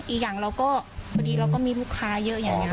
อีกอย่างเราก็พอดีเราก็มีลูกค้าเยอะอย่างนี้